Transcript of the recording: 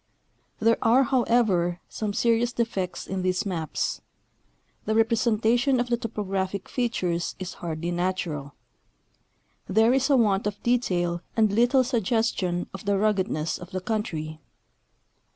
There are, however, some serious defects in these maps. The representation of the tojjographic features is hardly natural. There is a want of detail and little suggestion of the ruggedness of the country.